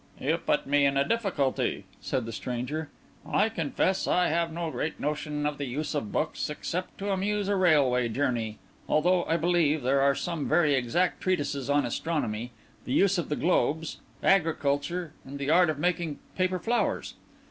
"You put me in a difficulty," said the stranger. "I confess I have no great notion of the use of books, except to amuse a railway journey; although, I believe, there are some very exact treatises on astronomy, the use of the globes, agriculture, and the art of making paper flowers.